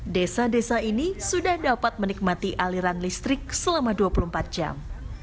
desa desa ini sudah dapat menikmati aliran listrik selama dua puluh empat jam